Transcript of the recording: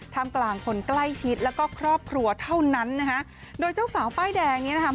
ทำกลางคนใกล้ชิดแล้วก็ครอบครัวเท่านั้นนะคะโดยเจ้าสาวป้ายแดงนี้นะคะ